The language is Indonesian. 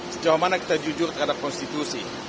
sejauh mana kita jujur terhadap konstitusi